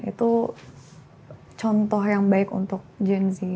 itu contoh yang baik untuk genzi